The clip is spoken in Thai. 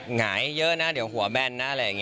หงายเยอะนะเดี๋ยวหัวแบนนะ